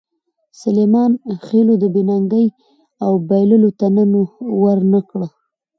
سلیمان خېلو د بې ننګۍ او بایللو ته تن ور نه کړ.